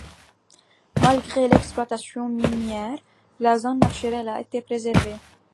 Malgré l'exploitation minière la zone naturelle a été préservée.